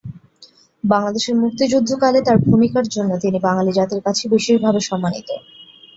বাংলাদেশের মুক্তিযুদ্ধকালে তার ভূমিকার জন্য তিনি বাঙালি জাতির কাছে বিশেষভাবে সম্মানিত।